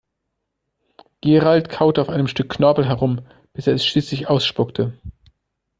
Gerald kaute auf einem Stück Knorpel herum, bis er es schließlich ausspuckte.